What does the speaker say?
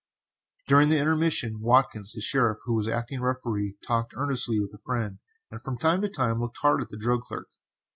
During the intermission Watkins, the sheriff, who was acting as Referee, talked earnestly with a friend, and from time to time looked hard at the drug clerk.